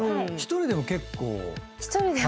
１人でも結構。